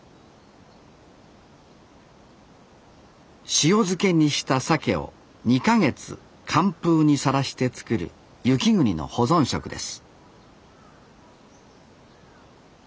塩漬けにした鮭を２か月寒風にさらして作る雪国の保存食です